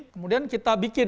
kemudian kita bikin